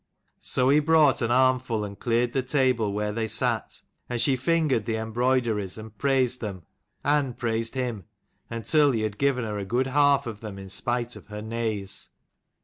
So he brought an armful and cleared the table where they sat, and she fingered the em broideries and praised them, and praised him, until he had given her a good half of them in spite of her nays.